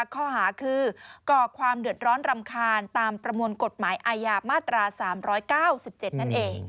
ข้อหาคือก่อความเดือดร้อนรำคาญตามประมวลกฎหมายอาญามาตรา๓๙๗นั่นเอง